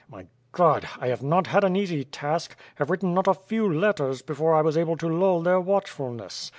My God! I have not had an ea«y task; ha.ve written not a few letters before 1 was able to lull their watchfulness.